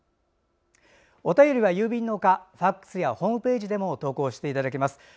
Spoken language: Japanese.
お便りは郵便のほかＦＡＸやホームページからでも投稿していただけます。